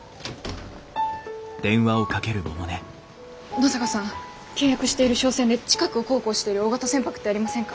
野坂さん契約している商船で近くを航行している大型船舶ってありませんか？